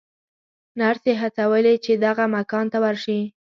نرسې هڅولې چې دغه مکان ته ورشي.